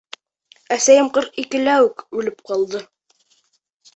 Әсәм ҡырҡ икелә үк үлеп ҡалды.